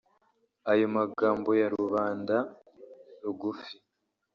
Ayo magambo ya rubanda rugufi